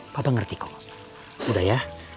kau tuh ngerti kok udah ya